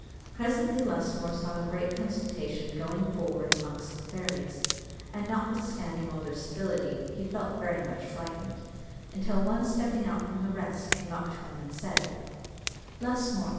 Presently Lusmore saw a great consultation going forward among the fairies, and, notwithstanding all their civility, he felt very much frightened, until one stepping out from the rest came up to him and said "Lusmore!